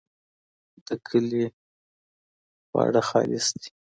د کلي خواړه خالص دي.